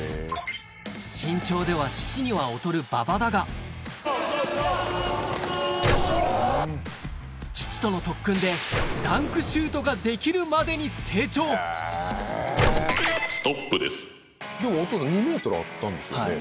身長では父には劣る馬場だが父との特訓でダンクシュートができるまでに成長でもお父さん２ｍあったんですよね。